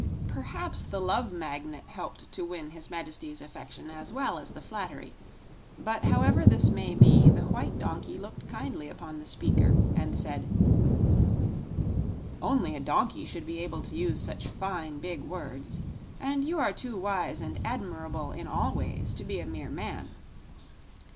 Perhaps the Love Magnet helped to win his Majesty's affections as well as the flattery, but however this may be, the white donkey looked kindly upon the speaker and said: "Only a donkey should be able to use such fine, big words, and you are too wise and admirable in all ways to be a mere man.